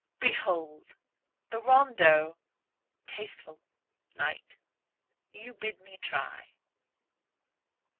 Behold! the rondeau, tasteful, light, You bid me try!